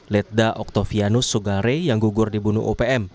letda oktavianus sogare yang gugur dibunuh opm